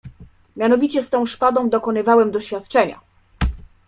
"Mianowicie z tą szpadą dokonywałem doświadczenia."